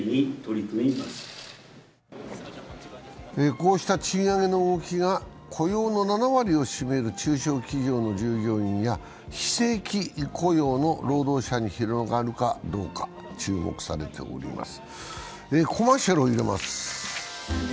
こうした賃上げの動きが雇用の７割を占める中小企業の従業員や非正規雇用の労働者に広がるかどうか、注目されています。